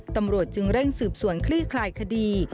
ตำรวจจึงเร่งสืบสวนคลี่คลายคดี